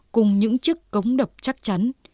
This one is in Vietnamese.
cùng những chiếc cống đập chắc chắn